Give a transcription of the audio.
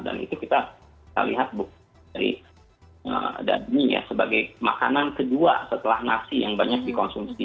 dan itu kita lihat bu dari dhani sebagai makanan kedua setelah nasi yang banyak dikonsumsi